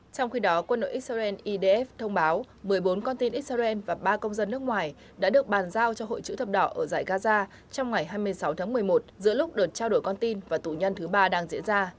trong khi đó quân đội israel idf thông báo một mươi bốn con tin israel và ba công dân nước ngoài đã được bàn giao cho hội chữ thập đỏ ở giải gaza trong ngày hai mươi sáu tháng một mươi một giữa lúc đợt trao đổi con tin và tù nhân thứ ba đang diễn ra